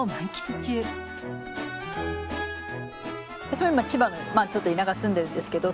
私は今千葉のちょっと田舎に住んでるんですけど。